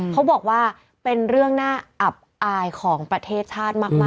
เขาบอกว่าเป็นเรื่องน่าอับอายของประเทศชาติมาก